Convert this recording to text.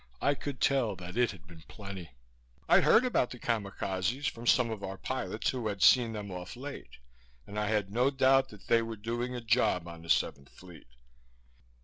I could tell that it had been plenty. I'd heard about the Kamikazes from some of our pilots who had seen them off Leyte and I had no doubt that they were doing a job on the 7th Fleet.